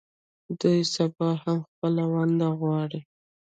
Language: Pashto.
دوی سبا هم خپله ونډه غواړي.